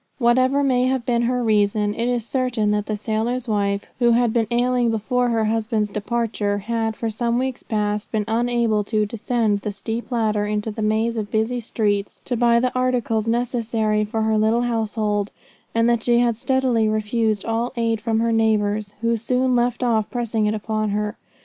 Whatever may have been her reason, it is certain that the sailor's wife, who had been ailing before her husband's departure, had, for some weeks past, been unable to descend the steep ladder into the maze of busy streets, to buy the articles necessary for her little household, and that she had steadily refused all aid from her neighbours, who soon left off pressing it upon her.